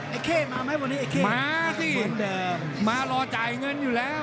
ไอเค่มาไหมวันนี้ไอเค่เหมือนเดิมมาสิมารอจ่ายเงินอยู่แล้ว